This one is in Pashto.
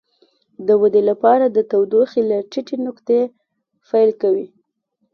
د ودې لپاره د تودوخې له ټیټې نقطې پیل کوي.